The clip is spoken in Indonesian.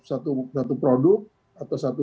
suatu produk atau suatu